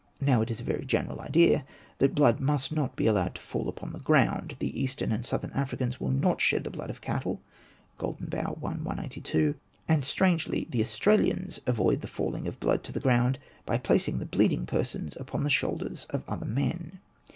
'' Now it is a very general idea that blood must not be allowed to fall upon the ground ; the eastern and southern Africans will not shed the blood of cattle ("Golden Bough," i. 182); and strangely the Australians avoid the falling of blood to the ground by placing the bleeding persons upon the shoulders of other men.